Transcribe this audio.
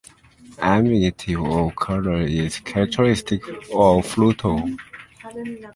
Ambiguity of color is characteristic of Pluto.